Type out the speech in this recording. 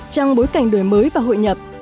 trong bối cảnh đời mới và hội nhập